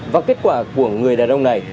và kết quả của người đàn ông này